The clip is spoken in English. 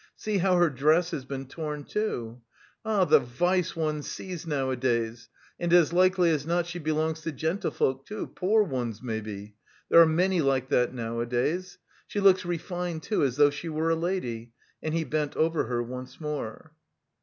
See how her dress has been torn too.... Ah, the vice one sees nowadays! And as likely as not she belongs to gentlefolk too, poor ones maybe.... There are many like that nowadays. She looks refined, too, as though she were a lady," and he bent over her once more.